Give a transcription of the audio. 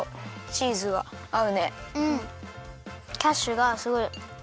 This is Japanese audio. キャッシュがすごいあのあれ。